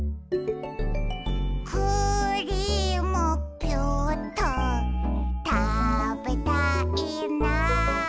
「クリームピューっとたべたいな」